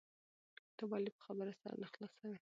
ته ولي په خبره سر نه خلاصوې؟